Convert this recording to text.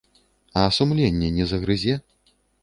А сумленне не загрызе?